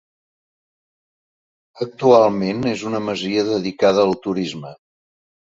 Actualment és una masia dedicada al turisme.